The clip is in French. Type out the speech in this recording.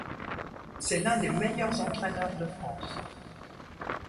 C'est l'un des meilleurs entraîneurs de France.